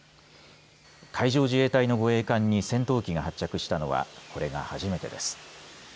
海上自衛隊の護衛艦に戦闘機が発着したのはこれが初めてです。